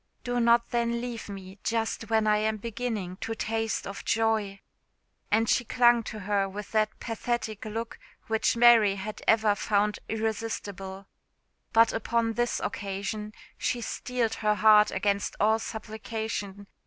Do not then leave me just when I am beginning to taste of joy!" And she clung to her with that pathetic look which Mary had ever found irresistble. But upon this occasion she steeled her heart against all supplication.